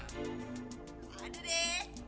ke madu deh